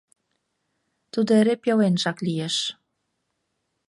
Тудо эре пеленжак лиеш.